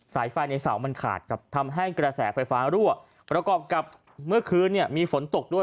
ไฟในเสามันขาดครับทำให้กระแสไฟฟ้ารั่วประกอบกับเมื่อคืนเนี่ยมีฝนตกด้วย